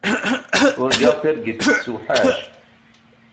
Urgaɣ targit tessewḥac.